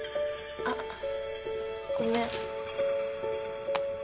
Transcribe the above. あっごめん。